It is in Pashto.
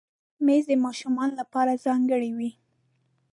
مېز د ماشومانو لپاره ځانګړی وي.